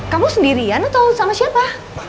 kamu sendirian atau sama siapa